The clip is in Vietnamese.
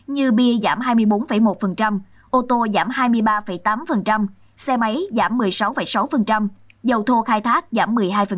như bia giảm hai mươi bốn một ô tô giảm hai mươi ba tám xe máy giảm một mươi sáu sáu dầu thô khai thác giảm một mươi hai